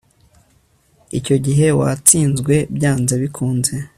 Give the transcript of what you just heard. icyo gihe watsinzwe byanze bikunze